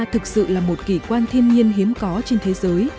thực sự là một kỳ quan thiên nhiên hiếm có trên thế giới